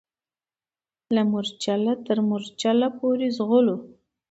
له مورچله تر مورچله پوري ځغلو